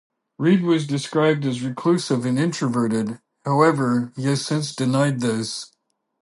Reed was described as reclusive and introverted, however he has since denied this.